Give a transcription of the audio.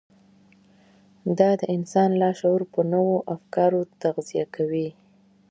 دا د انسان لاشعور په نويو افکارو تغذيه کوي.